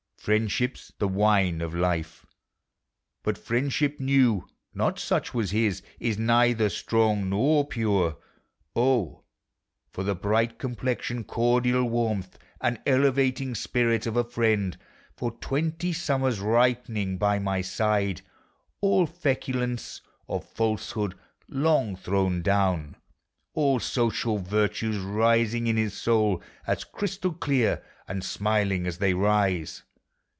•••■• Friendship 's the wine of life; but friendship new ( Not such was his) is neither strong, nor pure. O ! for the bright complexion, cordial warmth, J And elevating spirit, of a friend, For twenty summers ripening by my side, All feculence of falsehood long thrown down; All social virtues rising in his soul ; As crystal clear; and smiling as they rise!